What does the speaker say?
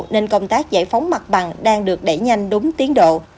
nên công tác giải phóng mặt bằng đang được đẩy nhanh đúng tiến độ